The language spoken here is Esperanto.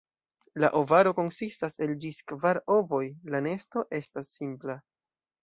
La ovaro konsistas el ĝis kvar ovoj, la nesto estas simpla.